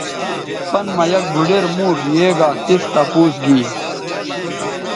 پَن مہ یک بُھوڈیر موݜ یے گا تِس تپوس گی